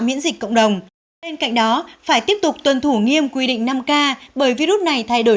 miễn dịch cộng đồng bên cạnh đó phải tiếp tục tuân thủ nghiêm quy định năm k bởi virus này thay đổi